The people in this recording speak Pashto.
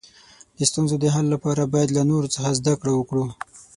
د ستونزو د حل لپاره باید له نورو څخه زده کړه وکړو.